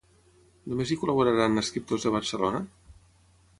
Només hi col·laboraran escriptors de Barcelona?